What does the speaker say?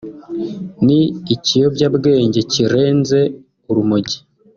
ni ikiyobyabwenge kirenze urumogi